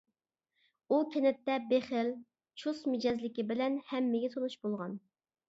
ئۇ كەنتتە بېخىل، چۇس مىجەزلىكى بىلەن ھەممىگە تونۇش بولغان.